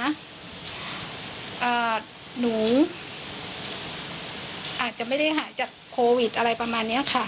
อาจจะหนูอาจจะไม่ได้หายจากโควิดอะไรประมาณเนี้ยค่ะ